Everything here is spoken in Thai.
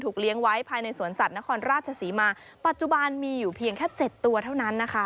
เลี้ยงไว้ภายในสวนสัตว์นครราชศรีมาปัจจุบันมีอยู่เพียงแค่เจ็ดตัวเท่านั้นนะคะ